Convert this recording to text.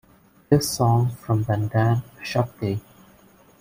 His song from 'Bandhan', 'Shakti'.